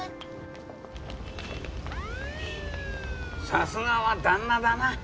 さすがは旦那だな。